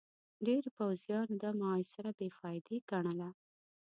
ډېرو پوځيانو دا محاصره بې فايدې ګڼله.